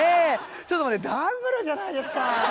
ちょっと待ってダブルじゃないですか。